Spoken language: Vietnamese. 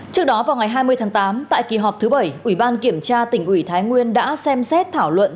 trước đó vào ngày hai mươi tháng tám tại kỳ họp thứ bảy ủy ban kiểm tra tỉnh ủy thái nguyên đã xem xét thảo luận